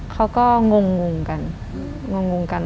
เขาก็งงกัน